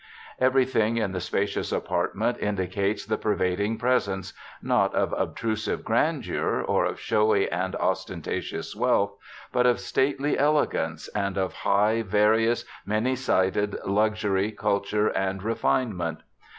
Everything in the spacious apartment indicates the pervading presence — not of obtrusive grandeur, or of showy and ostentatious wealth — but of stately elegance, and of high, various, many sided luxury, culture, and refine ment.